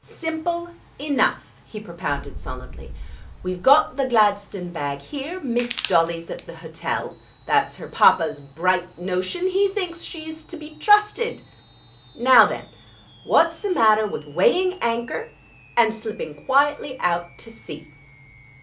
"Simple enough," he propounded solemnly. "We've got the gladstone bag here; Miss Dolly's at the hotel that's her papa's bright notion; he thinks she's to be trusted ... Now then, what's the matter with weighing anchor and slipping quietly out to sea?"